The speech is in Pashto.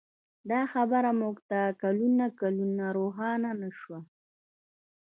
دا خبره موږ ته کلونه کلونه روښانه نه شوه.